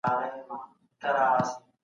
له ښې روزنې پرته بدلون نه راوستل کېږي.